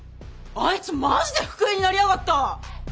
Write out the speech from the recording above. あいつマジで副編になりやがった！